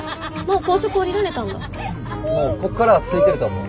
うんもうここからはすいてると思う。